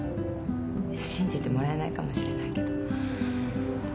信じてもらえないかもしれないけど。